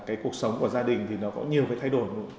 cái cuộc sống của gia đình thì nó có nhiều cái thay đổi